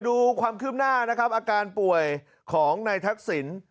ดูความคืบหน้านะครับอาการป่วยของนายทักษิณ